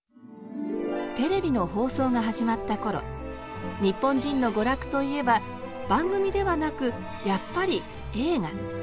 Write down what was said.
テレビの放送が始まった頃日本人の娯楽といえば番組ではなくやっぱり映画。